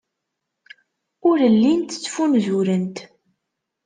Ur llint ttfunzurent.